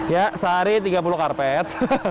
ya sehari tiga puluh karpet